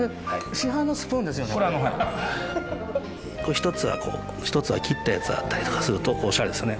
１つはこう１つは切ったやつあったりとかするとおしゃれですよね。